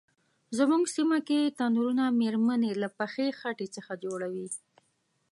زمونږ سیمه کې تنرونه میرمنې له پخې خټې څخه جوړوي.